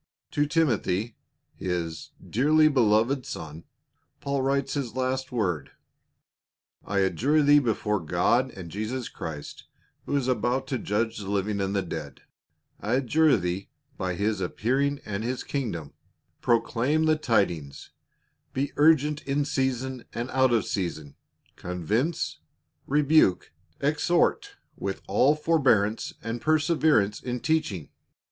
To Timothy, his " dearly beloved son," Paul writes his last word. " I adjure thee before God and Jesus Christ, who is about to judge the living and the dead, I adjure thee by his appearing and his kingdom — proclaim the tid ings, be urgent in season and out of season, convince, rebuke, exhort, with all forbearance and perseverance in teaching.